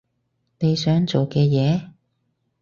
你想做嘅嘢？